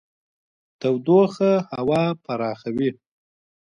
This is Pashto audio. تودوخه هوا پراخوي.